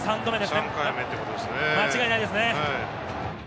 間違いないですね。